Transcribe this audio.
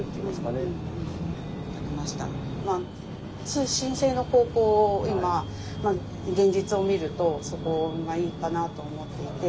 通信制の高校を今現実を見るとそこがいいかなと思っていて。